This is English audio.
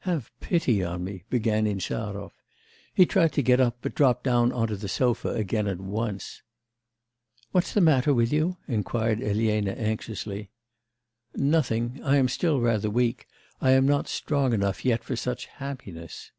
'Have pity on me,' began Insarov. He tried to get up, but dropped down on to the sofa again at once. 'What's the matter with you?' inquired Elena anxiously. 'Nothing.... I am still rather weak. I am not strong enough yet for such happiness.